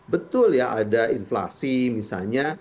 betul ya ada inflasi misalnya